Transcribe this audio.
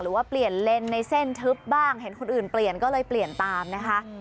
หรือว่าเปลี่ยนเลนส์ในเส้นทึบบ้างเห็นคนอื่นเปลี่ยนก็เลยเปลี่ยนตามนะคะ